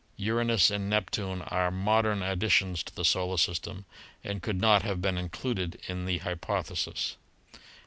Uranus and Neptune are modern additions to the solar system and could not have been included in the hypothesis.